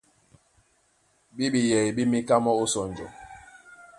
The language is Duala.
Ɓé ɓeyɛy ɓé měká mɔ́ ó sɔnjɔ.